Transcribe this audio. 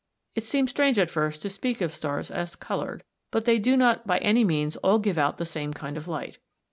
It seems strange at first to speak of stars as coloured, but they do not by any means all give out the same kind of light.